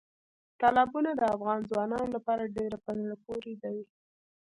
تالابونه د افغان ځوانانو لپاره ډېره په زړه پورې دي.